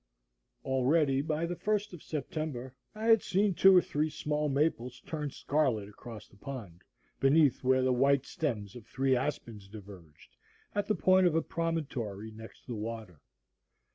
Already, by the first of September, I had seen two or three small maples turned scarlet across the pond, beneath where the white stems of three aspens diverged, at the point of a promontory, next the water.